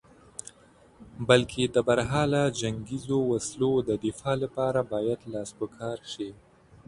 بلکې د برحاله جنګیزو وسلو د دفاع لپاره باید لاس په کار شې.